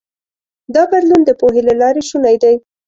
دا بدلون د پوهې له لارې شونی دی.